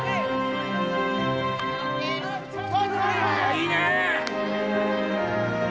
いいね！